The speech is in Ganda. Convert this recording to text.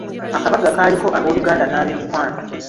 Akabaga kaaliko ab'oluganda n'ab'emikwano.